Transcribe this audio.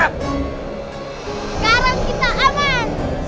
sekarang kita aman